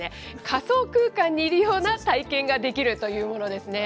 仮想空間にいるような体験ができるというものですね。